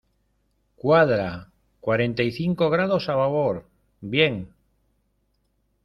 cuadra. cuarenta y cinco grados a babor . bien .